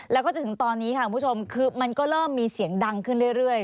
แล้วก็จนถึงตอนนี้ค่ะคุณผู้ชมคือมันก็เริ่มมีเสียงดังขึ้นเรื่อย